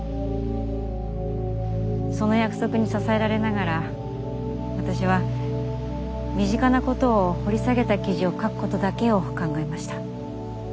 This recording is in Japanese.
その約束に支えられながら私は身近なことを掘り下げた記事を書くことだけを考えました。